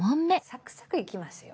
サクサクいきますよ。